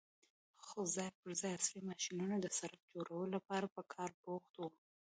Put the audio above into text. خو ځای پر ځای عصرې ماشينونه د سړک جوړولو لپاره په کار بوخت وو.